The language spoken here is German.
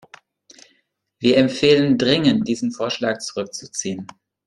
Wir empfehlen dringend, diesen Vorschlag zurückzuziehen.